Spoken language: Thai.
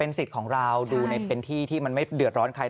สิทธิ์ของเราดูในเป็นที่ที่มันไม่เดือดร้อนใคร